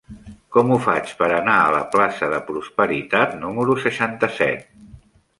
Com ho faig per anar a la plaça de Prosperitat número seixanta-set?